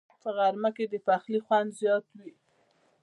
په غرمه کې د پخلي خوند زیات وي